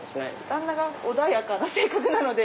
旦那が穏やかな性格なので。